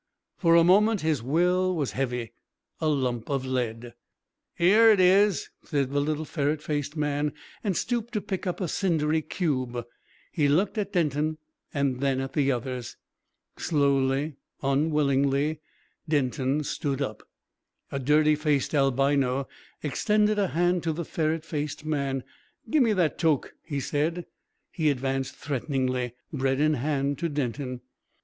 For a moment his will was heavy, a lump of lead. "'Ere it is," said the little ferret faced man, and stooped to pick up a cindery cube. He looked at Denton, then at the others. Slowly, unwillingly, Denton stood up. A dirty faced albino extended a hand to the ferret faced man. "Gimme that toke," he said. He advanced threateningly, bread in hand, to Denton.